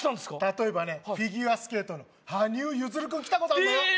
例えばねフィギュアスケートの羽生結弦君来たことあんのよえっ